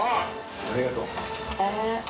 ありがとう。